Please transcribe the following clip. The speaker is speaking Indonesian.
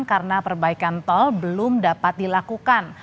karena perbaikan tol belum dapat dilakukan